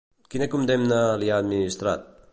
Quina condemna li ha administrat?